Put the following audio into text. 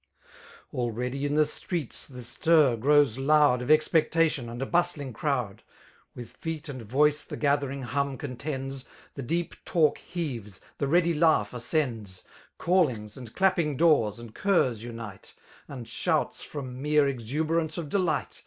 « Already in the streets the stir grows loud Of expectation and a bustling crowd. With feet and voice the gathering hum contends. The deep talk heaves, ihe ready laugh ascends; CaUitig9, and clapping doors, and curs unite. And shouts from mere exuberance of delight.